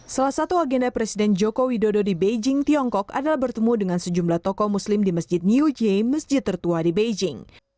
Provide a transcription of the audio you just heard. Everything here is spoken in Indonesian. salah satu agenda presiden joko widodo di beijing tiongkok adalah bertemu dengan sejumlah tokoh muslim di masjid new c masjid tertua di beijing